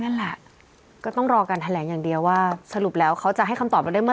นั่นแหละก็ต้องรอการแถลงอย่างเดียวว่าสรุปแล้วเขาจะให้คำตอบเราได้เมื่อ